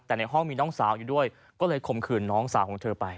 แต่ในห้องมีน้องสาวอยู่ด้วยก็เลยข่มขืนน้องสาวของเธอไป